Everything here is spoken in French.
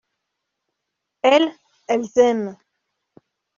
Elles, elles aiment.